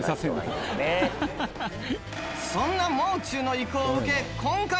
そんなもう中の意向を受け今回。